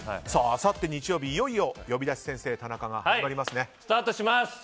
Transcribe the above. あさって日曜日、いよいよ「呼び出し先生タナカ」がスタートします。